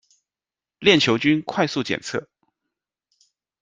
链球菌快速检测。